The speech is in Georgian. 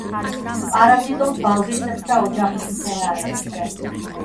პარაზიტობს ბალბისებრთა ოჯახის მცენარეებზე.